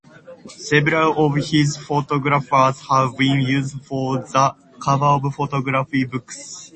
Several of his photographs have been used for the cover of photography books.